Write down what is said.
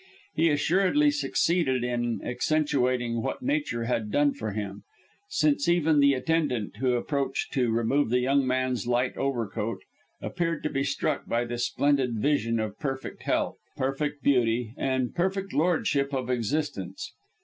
He assuredly succeeded in accentuating what Nature had done for him, since even the attendant, who approached to remove the young man's light overcoat, appeared to be struck by this splendid vision of perfect health, perfect beauty, and perfect lordship of existence.